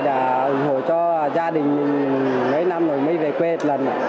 đã ủng hộ cho gia đình mấy năm rồi mới về quê một lần